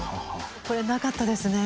これなかったですね